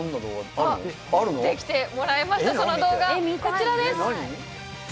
あっ持ってきてもらいましたその動画こちらです